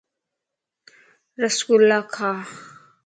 رس گُلا کا